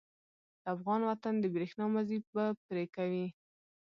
د افغان وطن د برېښنا مزی به پرې کوي.